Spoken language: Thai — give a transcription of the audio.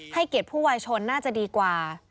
ให้เกลียดผู้ว่ายชนน่าจะดีกว่า